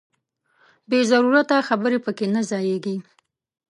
بې ضرورته خبرې پکې نه ځاییږي.